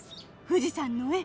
富士山の絵